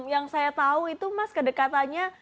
yang saya tahu itu mas kedekatannya